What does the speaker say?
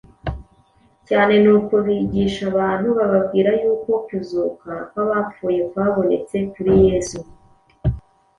cyane n’uko bigisha abantu, bababwira yuko kuzuka kw’abapfuye kwabonetse kuri Yesu.”